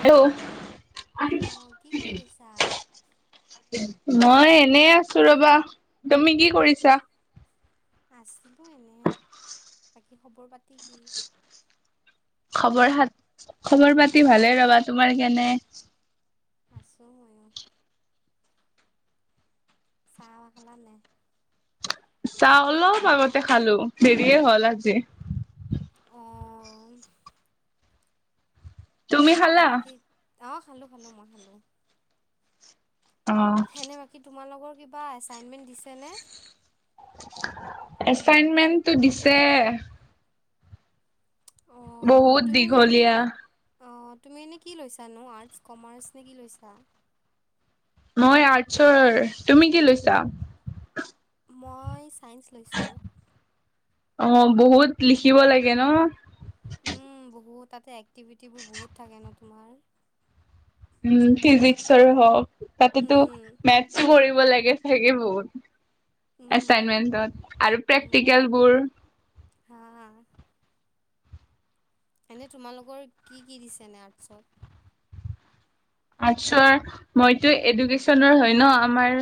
Hello. মই এনে আছোঁ ৰবা তুমি কি কৰিছা? আছিলোঁ এনে বাকী খবৰ পাতি কি? খবৰ খা খবৰ পাতি ভালে ৰবা তোমাৰ কেনে? আছোঁ মইও। চাহ বা খালা নাই? চাহ অলপ আগতে খালো দেৰিয়ে হল আজি। অ এনে বাকী অ খালো খালো মই খালো। এনে বাকী তোমালোকৰ কিবা এছাইনমেণ্ট দিছেনে? এচাইনমেন্টটো দিছে। অ তুমি এনে কি অ তুমি এনেই কি লৈছানো আৰ্টছ কমাৰ্চ নে কি লৈছা? মই আৰ্টছৰ তুমি কি লৈছা? মই ছাইন্স লৈছো। অ বহুত লিখিব লাগে ন উম বহুত তাতে এক্টিভিটিবোৰ বহুত থাকে ন তোমাৰ উম ফিজিক্সৰ হওক তাতেতো মেথছো কৰিব লাগে থাকে বহুত এচাইনমেন্টত আৰু প্ৰেক্টিকেল বোৰ হা এনে তোমালোকৰ কি কি দিছে এনে আৰ্টছত আৰ্টছৰ মইতো এডুকেশচনৰ হয় ন আমাৰ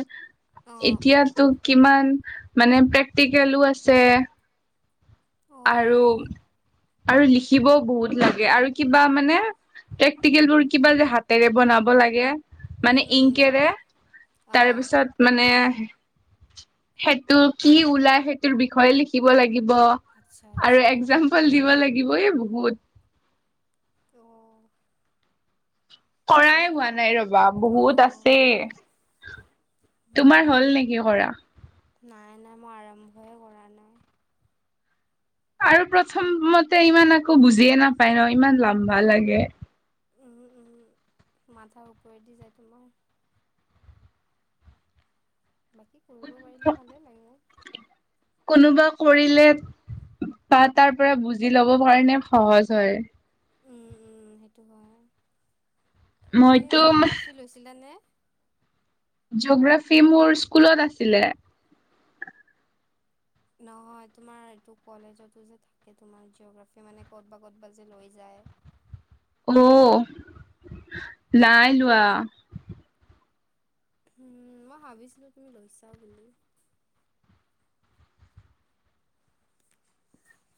এতিয়াতো কিমান মানে প্ৰেক্টিকেলো আছে আৰু আৰু লিখিবও বহুত লাগে আৰু কিবা মানে প্ৰেক্টিকেল বোৰ কিবা যে হাতেৰে বনাব লাগে মানে ইংকেৰে তাৰপিছত মানে সেইটো কি ওলাই সেইটোৰ বিষয়ে লিখিব লাগিব আৰু এক্সাম্পল দিব লাগিব এ বহুত ত' কৰাই হোৱা নাই ৰবা বহুত আছেই তোমাৰ হ'ল নেকি কৰা নাই নাই মই আৰম্ভয়ে কৰা নাই আৰু প্ৰথমতে ইমান আকৌ বুজিয়ে নাপায় ন ইমান লাম্বা লাগে। উম উম মাথাৰ ওপৰেদি যায় তোমাৰ বাকী কৰিব পাৰিলে ভালে লাগে কোনোবা কৰিলে বা তাৰ পৰা বুজি ল'ব কাৰণে সহজ হয় উম উম সেইটো হয় তুমি ন জিঅগ্ৰাফি লৈছিলা নে জঅ'গ্ৰাফি মোৰ স্কুলত আছিলে নহয় তোমাৰ এইটো কলেজতো যে থা ত তোমাৰ জিঅ'গ্ৰাফী মানে কৰবাত কৰবাত যে লৈ যায় মো নাই লোৱা উম মই ভাবিছিলো তুমি লৈছা বুলি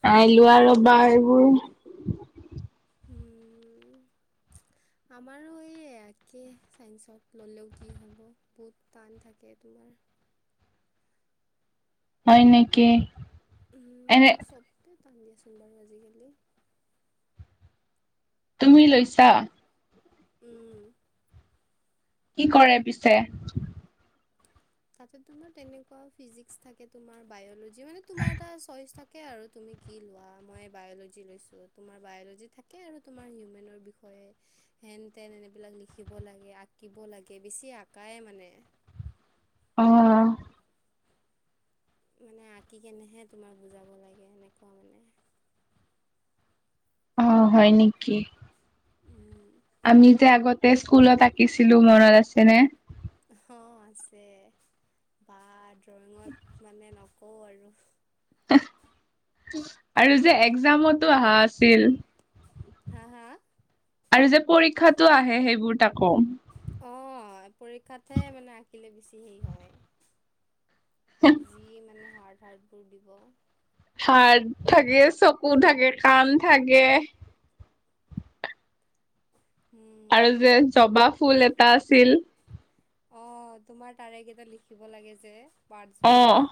নাই লোৱা ৰবা এইবোৰ উম আমাৰো এই একে ছাইন্সত ল'লেও কি হ'ব বহুত টান থাকে তোমাৰ উম চবে পালোৱে চোন বাৰু আজিকালি তুমি লৈছা উম কি কৰে পিছে তাতে তোমাৰ তেনেকোৱা ফিজিক্স থাকে তোমাৰ বায়লজি মানে তোমাৰ এটা চইচ থা তাকে আৰু তুমি কি লোৱা মই বায়'লজি লৈছো তোমাৰ বায়'লজি থাকে আৰু তোমাৰ হিউমেনৰ বিষয়ে হেন তেন এনেবিলাক লিখিব লাগে আঁকিব লাগে বেছি আঁকায়ে মানে অ মানে আঁকি কেনেহে তোমাক বুজাব লাগে এনেকোৱা মানে অ হয় নেকি? উম আমি যে আগতে স্কুলত আঁকিছিলো মনত আছেনে? অ আছে বা ড্ৰয়িঙত মানে নকওঁ আৰু৷ আৰু যে এক্সামতো অহা আছিল৷ হা-হা আৰু যে পৰীক্ষাটো আহে সেইবোৰ তাকো৷ অ পৰীক্ষাতহে মানে আঁকিলে বেছি হেৰি হয়৷ যি মানে হাৰ্ড হাৰ্ডবোৰ দিব৷ হাড থাকে চকু থাকে কাণ থাকে আৰু যে জবা ফুল এটা আছিল৷ অ তোমাৰ তাৰে কেইটা লিখিব লাগে যে পাৰ্ডছবোৰ৷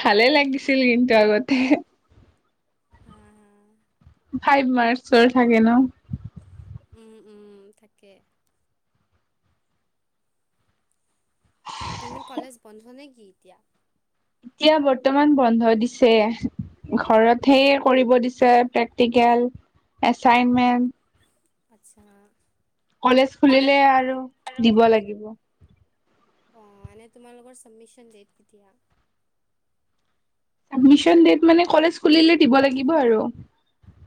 ভালে লাগিছিল কিন্তু আগতে৷ হা-হা ফাইভ মাৰ্কচৰ থাকে ন? উম-উম থাকে৷ এনে কলেজ বন্ধ নে কি এতিয়া? এতিয়া বৰ্তমান বন্ধ দিছে৷ ঘৰত হে কৰিব দিছে প্ৰেক্টিকেল এচাইনমেন্ট৷ আচ্ছা কলেজ খুলিলে আৰু দিব লাগিব৷ অ এনে তোমালোকৰ চাবমিচন দেট কেতিয়া? চাবমিচন ডেট মানে কলেজ খুলিলে দিব লাগিব আৰু৷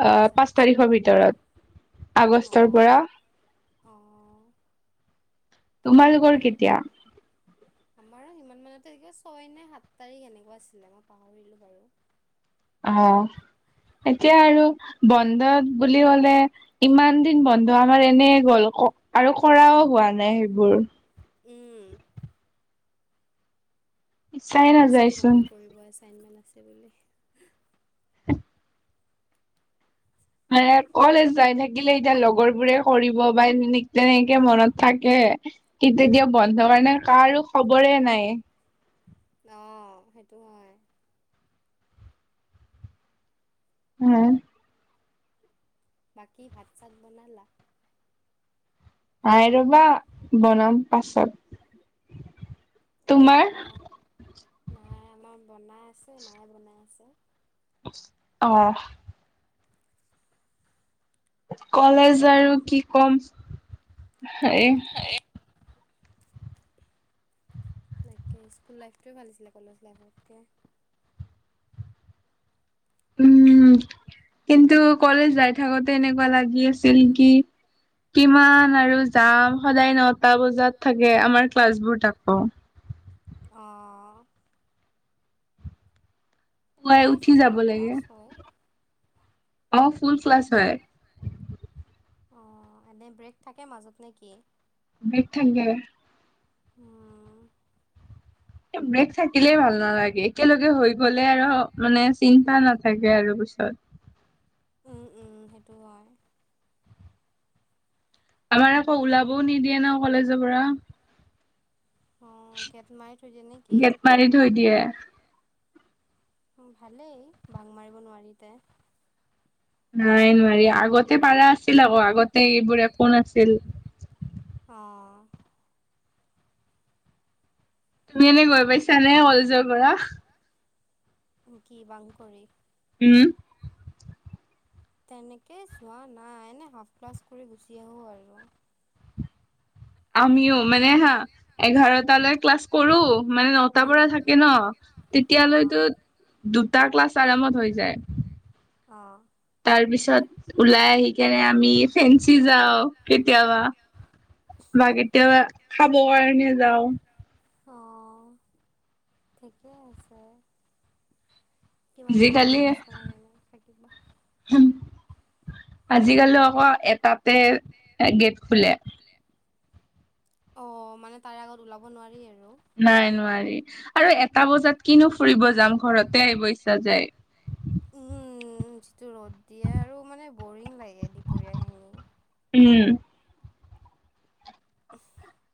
আহ পাঁচ তাৰিখৰ ভিতৰত আগষ্টৰ পৰা৷ থিকে আমাৰো সিমান মানতে থাকিব ছয় নে সাত তাৰিখ এনেকুৱা আছিলে মই পাহৰিলো বাৰু৷ অ এতিয়া আৰু বন্ধত বুলি কলে ইমান দিন বন্ধ আমাৰ এনে গ'ল ক আৰু কৰাও হোৱা নাই সেইবোৰ৷ উম পাছত মনত পৰিব এছাইনমেণ্ট আছে বুলি৷ ম [unintelligible] কলেজ যাই থাকিলে এতিয়া লগৰ বোৰে কৰিবব বা তেনেকে মনত থাকে কিন্তু এতিয়া তেতিয়া বন্ধ কাৰণে কাৰো খবৰে নাই৷ অ সেইটো হয়৷ উম বাকী ভাত চাত বনালা? আই ৰবা বনাম পাছত৷ অ নাই আমাৰ বনাই আছে মায়ে বনাই আছে৷ অহ কলেজ আৰু কি কম হে হয় [unintelligible] তাকে স্কুল লাইফটোৱে ভাল আছিলে কলেজ লাইফতকে৷ উম কিন্তু কলেজ যাই থাকোতে এনেকুৱা লাগি আছিল কি কিমান আৰু যাম সদায় নটা বজাত থাকে আমাৰ ক্লাছ বোৰ তাকো অঁ পুৱাই উঠি যাব লাগে। অ এনে ব্ৰেক থাকে মাজত নে কি? ব্ৰেক থাকে। উম! ব্ৰেক থাকিলেই ভাল নালাগে। একেলগে হৈ গ'লে আৰু মানে, চিন্তা নাথাকে আৰু পিছত। উম-উম সেইটো হয়৷ আমাৰ আকৌ ওলাবও নিদিয়ে ন কলেজৰ পৰা৷ অ'! গেট মাৰি থৈ দিয়ে নেকি? গেট মাৰি থৈ দিয়ে। উম, ভালেই। ভাঙ মাৰিব নোৱাৰিতে। নাই, নোৱাৰি। আগতে পাৰা আছিল আকৌ। আগতে, এইবোৰ একো নাছিল। অ'! তুমি এনে গৈ পাইছা নে কলেজৰ পৰা? কি ভাঙ কৰি? উম! উম! তেনেকে যোৱা নাই। এনে, হাফ ক্লাছ কৰি গুচি আহোঁ আৰু। আমিও মানে, হা! এঘাৰটালৈ ক্লাছ কৰোঁ। মানে, নটাৰ পৰা থাকে ন'। তেতিয়ালৈতো, দুটা ক্লাছ আৰামত হৈ যায়। অ'! তাৰ পিছত, ওলাই আহি কেনে, আমি ফেঞ্চি যাওঁ কেতিয়াবা। বা কেতিয়াবা, খাব কাৰণে যাওঁ। অ'! ঠিকে আছে। কিমাননো আৰু কলেজখনত এনেকে থাকিবা। আজিকালি, আ'ক এটাতে গেট খোলে। অ'! মানে, তাৰে আগত ওলাব নোৱাৰি আৰু? নাই, নোৱাৰি। আৰু এটা বজাত কিনো ফুৰিব যাম! ঘৰতে আহিব ইচ্ছা যায়। উম! যিটো ৰ'দ দিয়ে। আৰু মানে, বৰিং লাগে দুপৰীয়া খিনি। উম! [unintelligible]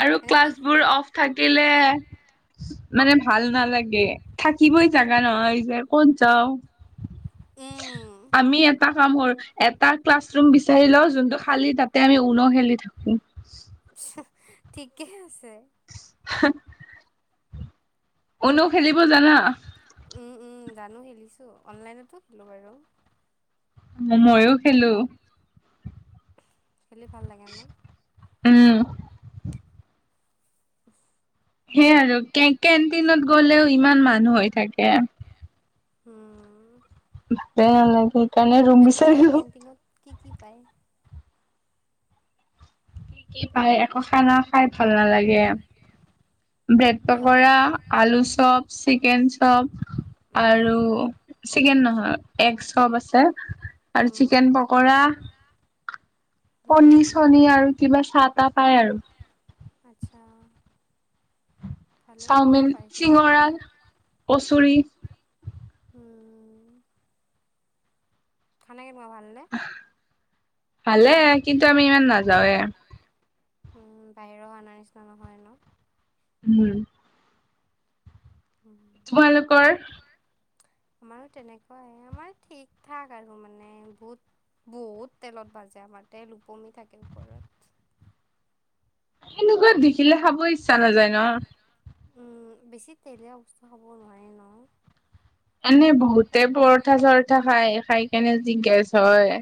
আৰু ক্লাছবোৰ অফ থাকিলে। মানে, ভাল নালাগে। থাকিবই জাগা নোহোৱা হৈ যায়, ক'ত যাওঁ? আমি এটা কাম কৰোঁ, এটা ক্লাছ ৰুম বিচাৰি লওঁ। যোনটো, খালি তাত তাতে, আমি ঊন খেলি থাকোঁ। [unintelligible] ঠিকে আছে। হা! ঊন খেলিব জানা? উম, উম! জানোঁ, খেলিছোঁ। অনলাইনতো খেলোঁ বাৰু। মইয়ো খেলোঁ। খেলি ভাল লাগে ন'? উম! [inaudible] সেইয়া আৰু। কে, কেণ্টিনত গ'লেও ইমান মানুহ হৈ থাকে। উম! সেই, তোমাৰ লগত কেন্টিনত কি কি পায়? কি পায়? একো খানা খাই ভাল নালাগে। ব্ৰেড পকৰা, আলু চপ, চিকেন চপ আৰু চিকেন নহয়, এগ চপ আছে আৰু চিকেন পকৰা। কণী- চনী আৰু কিবা, চাহ -তাহ খাই আৰু। আচ্ছা! চাওমিন, চিঙৰা, কচৰি। খানা কেনেকুৱা, ভালনে? ভালে। কিন্তু, আমি ইমান নাযাওঁৱে। উম! বাহিৰৰ খানাাৰ নিচিনা নহয় ন'? উম! উম! তোমালোকৰ আমাৰো তেনেকুৱাই আমাৰ ঠিক ঠাক আৰু মানে বহুত বহুত তেলত ভাজে আমাৰ তেল ওপমি থাকে ওপৰত। এনেকুৱা দেখিলে খাব ইচ্ছা নাযায় ন? উম বেছি তেলীয়া বস্তু খাব নোৱাৰি ন? এনে বহুতে পৰঠা চৰঠা খাই-খাই কেনে যি গেছ হয়।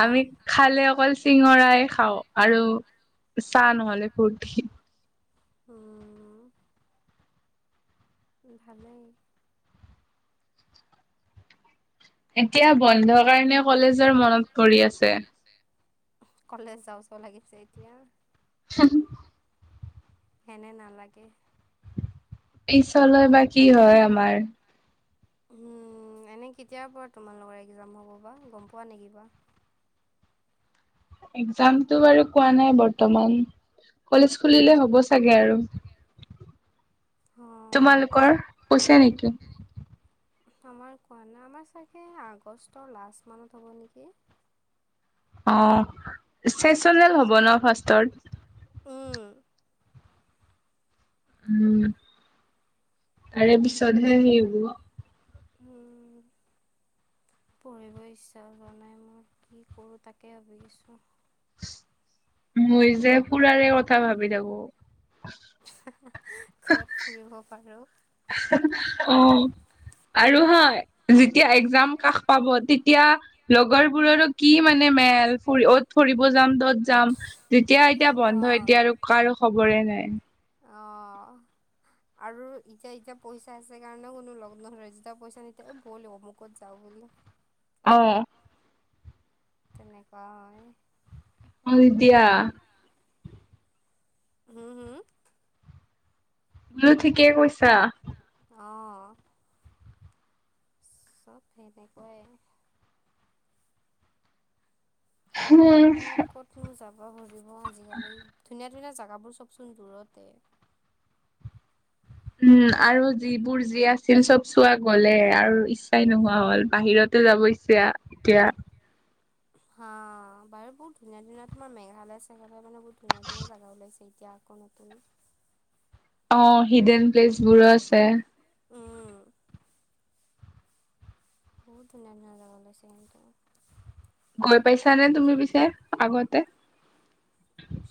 আমি খালে অকল চিঙৰাই খাওঁ আৰু চাহ নহলে ফুৰ [unintelligible] উম ভালেই৷ এতিয়া বন্ধ কাৰণে কলেজৰ মনত পৰি আছে৷ কলেজ যাওঁ চব লাগিছে এতিয়া? হু এনে নালাগে৷ পিছলৈ বা কি হয় আমাৰ৷ এনেই কেতিয়াৰ পৰা তোমালোকৰ একজাম হ'ব বা গম পোৱা নেকি কিবা? একজামটো বাৰু কোৱা নাই বৰ্তমান কলেজ খুলিলে হ'ব চাগে আৰু৷ তোমালোকৰ কৈছে নেকি? আমাৰ কোৱা নাই আমাৰ চাগে আগষ্টৰ লাষ্ট মানত হ'ব নেকি৷ অ চেচনেল হ'ব ন ফাৰ্ষ্টত? উম উম তাৰে পিছতহে হে হব হ পঢ়িবৰ ইচ্ছাও যোৱা নাই মই কি কৰোঁ তাকে ভাবি আছোঁ৷ মই যে ফুৰাৰে কথা ভাবি থাকো৷ কত ফুৰিব পাৰোঁ৷ অ আৰু হা যেতিয়া একজাম কাষ পাব তেতিয়া লগৰবোৰৰো কি মানে মেল ফুৰি অ'ত ফুৰিব যাম ত'ত যাম৷ যে এতিয়া-এতিয়া বন্ধ এতিয়া আৰু কাৰো খবৰে নাই৷ অঁ আৰু এতিয়া-এতিয়া পইচা আছে কাৰণে কোনো লগ নধৰে যেতিয়া পইচা নাই‌ তেতিয়া ব ল হব মোক ক'ত যাওঁ বুলি৷ অ তেনেকুৱাই হয় দিয়া৷ হম হম বোলো ঠিকে কৈছা৷ অ চব সেনেকুৱাই৷ উম যাব ধৰিব [unintelligible] আজিকালি ধুনীয়া-ধুনীয়া জাগাবোৰ চকচোন দূৰতে৷ উম আৰু যিবোৰ যি আছিল চব চোৱা গলে আৰু ইচ তাই নোহোৱা হ'ল বাহিৰতে যাবই ইচ্ছা এতিয়া৷ হা বাৰু বহুত ধুনীয়া - ধুনীয়া তোমাৰ মেঘালয় চেঘালয় মানে বহুত ধুনীয়া - ধুনীয়া জেগা ওলাইছে৷ তেতিয়া আকৌ নতুন৷ অ হিডেন প্লেচ বোৰো আছে৷ উম বহুত ধুনীয়া- ধুনীয়া জাগা ওলাইছে কিন্তু৷ গৈ পাইছানে তুমি পিছে আগতে?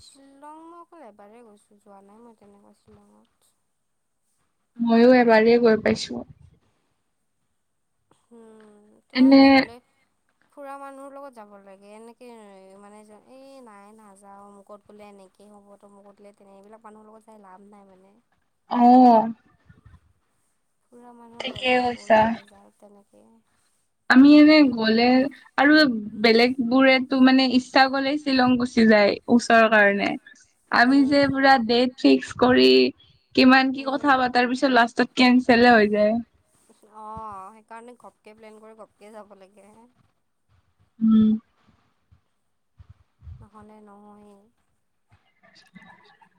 শ্বিলং অকল এবাৰে গৈছোঁ যোৱা নাই মই তেনেকুৱা শ্বিলঙত৷ ময়ো এবাৰেই গৈ পাইছো৷ উম তোমাৰ আহ গলে, ফুৰা মানুহৰ লগত যাব লাগে এনেকে মানে এই নাই নাযাও কত গ'লে এনেকে, এই অমোকত তমোকত তেনে এইবিলাক মানুহৰ লগত যাই লাভ নাই মানে। আহ, ফুৰা মানুহ ল'লে বল বলৈ যাওঁ তেনেকে। আমি এনে গ'লে আৰু বেলেগ বোৰে। ত মানে ইচ্ছা কৰিলেই শ্বিলং গুচি যায় ওচৰৰ কাৰণে। আমি যে পুৰা ডেট ফিক্স কৰি কিমান কি কথা পাতাৰ পিছত লাষ্টত, কেঞ্চেলে হৈ যায়। অ সেইকাৰণে ঘপকে প্লেন কৰি গপকে যাব লাগে। উম নহ'লে নহয়েই। [unintelligible]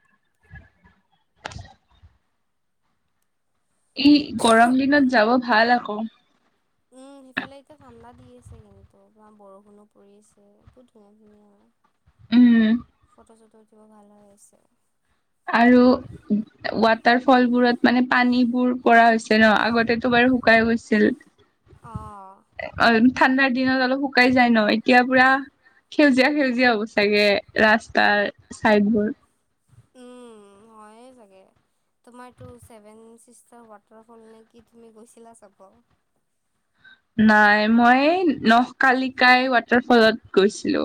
ই গৰম দিনত যাব ভাল আক। উম সেইফালে এতিয়া ঠাণ্ডা দি আছে কিন্তু বা বৰষুণো পৰি আছে বহুত ধুনীয়া ধুনীয়া। উম, ফত জ'তৰ উঠিব ভাল হৈ আছে। আৰু ৱাটাৰ ফল বোৰত মানে পানীবোৰ পৰা হৈছে ন আগতে। বাৰু শুকাই গৈছিল অ ঠাণ্ডাৰ দিনত অলপ শুকাই যায় ন। এতিয়া পুৰা সেউজীয়া সেউজীয়া হ'ব চাগে ৰাস্তাৰ চাইদ বোৰ। উম হয়ে চাগে। তোমাৰ এইটো ছেভেন চিষ্টাৰ ৱাটাৰ ফল নে কি তুমি গৈছিলা চাব। নাই মই নকালিকাই ৱাটাৰ ফলত গৈছিলো।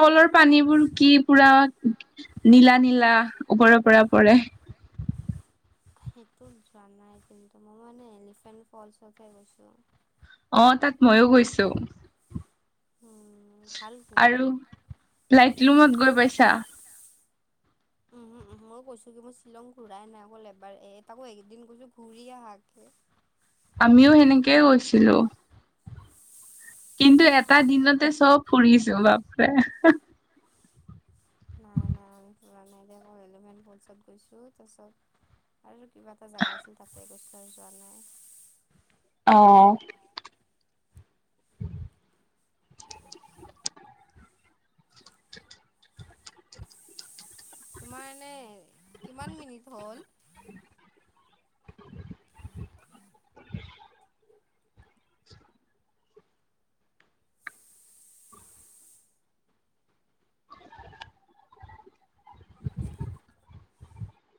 তলৰ পানীবোৰ কি পুৰা নীলা নীলা ওপৰৰ পৰা পৰে। সেইটো জোৱা নাই কিন্তু মই মানে এলিফেন্ট ফলচতহে গৈছো। অ তাত ময়ো গৈছো। উম আৰু লাইটলুমত গৈ পাইছা। উম উম উম মইয়ো কৈছো কি মই শ্বিলং ঘূৰাই নাই অকল এবাৰ এ তাকো একদিন গৈছো তাকো ঘূৰি আহাকে। আমিও সেনেকেই গৈছিলো। কিন্তু এটা দিনতে চব ফুৰিছো বাপৰে। নাই নাই আমি পুৰা নাই এলিমেন্ট ফলছত গৈছো তাছত আৰু কিবা এটা জেগা আছিল তাতে গৈছো আৰু যোৱা নাই। অ, তোমাৰ এনে কিমান মিনিট হ'ল।